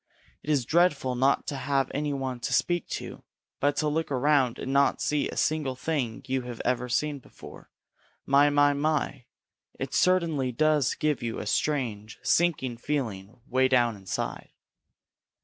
It is dreadful not to have any one to speak to, but to look around and not see a single thing you have ever seen before, my, my, my, it certainly does give you a strange, sinking feeling way down inside!